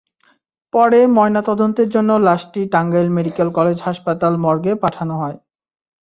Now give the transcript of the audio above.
পরে ময়নাতদন্তের জন্য লাশটি টাঙ্গাইল মেডিকেল কলেজ হাসপাতাল মর্গে পাঠানো হয়।